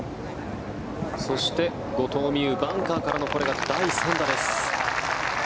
そして後藤未有バンカーからのこれが第３打です。